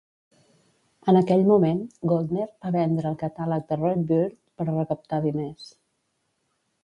En aquell moment, Goldner va vendre el catàleg de Red Bird per recaptar diners.